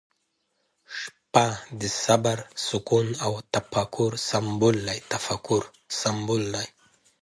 • شپه د صبر، سکون، او تفکر سمبول دی.